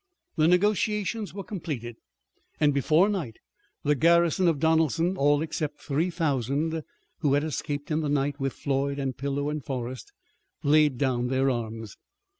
The negotiations were completed and before night the garrison of Donelson, all except three thousand who had escaped in the night with Floyd and Pillow and Forrest, laid down their arms.